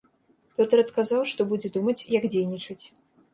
Пётр адказаў, што будзе думаць, як дзейнічаць.